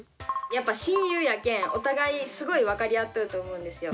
やっぱ親友やけんお互いすごい分かり合っとると思うんですよ。